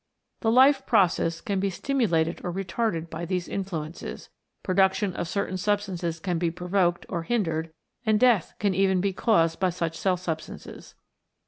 The life process can be stimulated or retarded by these influences, production of certain substances can be pro voked or hindered, and death can even be caused by such cell substances.